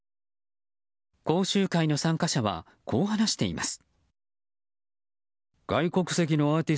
講習会の参加者はこう話しています。